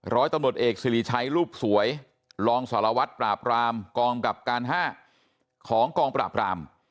ร้อยตำรวจเอกสิริชัยรูปสวยรองสารวัตรปราบรามกองกับการ๕ของกองปราบราม